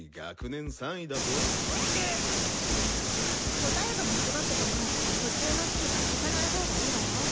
答えが間違ってても途中の式は消さないほうがいいわよ。